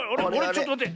ちょっとまって。